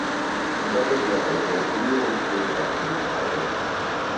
Dat is wat wij voortdurend in gedachten moeten houden.